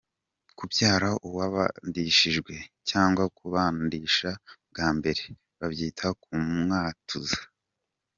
Kubyara uwabandishijwe, cyangwa kumubandisha bwa mbere babyitaga “Kumwatuza”.